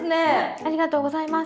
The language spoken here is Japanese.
ありがとうございます。